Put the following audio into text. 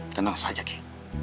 tenang saja ki